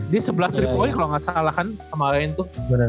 dia sebelas tiga poin kalau gak salah kan kemarin itu